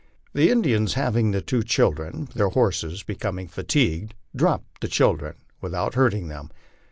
The Indians having the two chil dren, their horses becoming fatigued, dropped the children without hurting them.